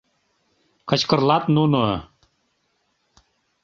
— кычкырлат нуно.